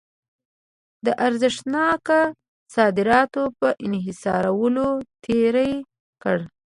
د ارزښتناکه صادراتو په انحصارولو تېره کړه.